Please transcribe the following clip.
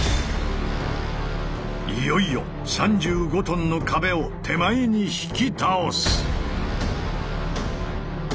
いよいよ３５ｔの壁を手前に引き倒す。